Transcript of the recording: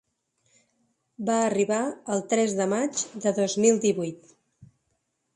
Va arribar el tres de maig de dos mil divuit.